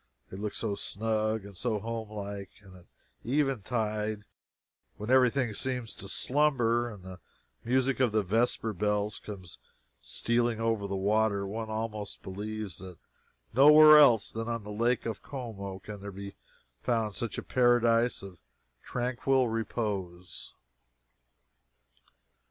They look so snug and so homelike, and at eventide when every thing seems to slumber, and the music of the vesper bells comes stealing over the water, one almost believes that nowhere else than on the lake of Como can there be found such a paradise of tranquil repose.